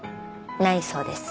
ないそうです。